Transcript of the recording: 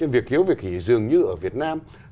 việc hiếu việc hỷ dường như ở việt nam